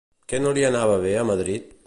Què no li anava bé a Madrid?